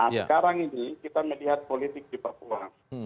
nah sekarang ini kita melihat politik di papua